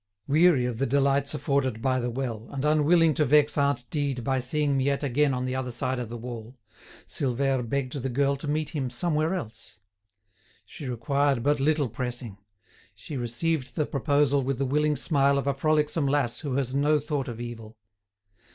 Weary of the delights afforded by the well, and unwilling to vex aunt Dide by seeing Miette again on the other side of the wall, Silvère begged the girl to meet him somewhere else. She required but little pressing; she received the proposal with the willing smile of a frolicsome lass who has no thought of evil.